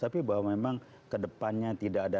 tapi bahwa memang kedepannya tidak ada